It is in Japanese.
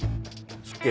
失敬。